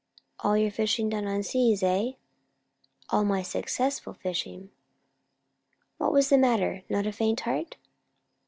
"All your fishing done on the high seas, eh?" "All my successful fishing." "What was the matter? Not a faint heart?"